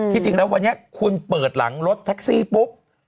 จริงแล้ววันนี้คุณเปิดหลังรถแท็กซี่ปุ๊บ